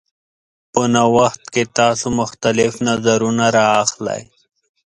په نوښت کې تاسو مختلف نظرونه راخلئ.